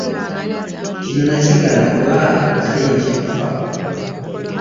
Kino nakigaana kuba nnali ntya okufa.